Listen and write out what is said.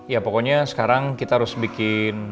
ya pokoknya sekarang kita harus bikin